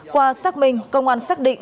qua xác minh công an xác định